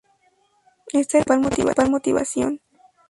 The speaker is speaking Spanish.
Esta era su principal motivación.